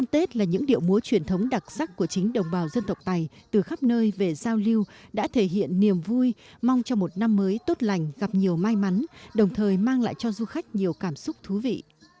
tết cơm mới thể hiện niềm vui mong cho một năm mới tốt lành gặp nhiều may mắn đồng thời mang lại cho du khách nhiều cảm xúc thú vị